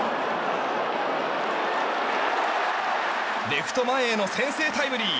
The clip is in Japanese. レフト前への先制タイムリー！